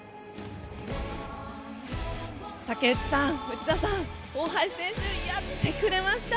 武内さん、内田さん大橋選手、やってくれました。